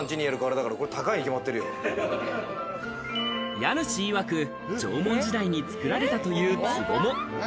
家主いわく、縄文時代に作られたという壺も。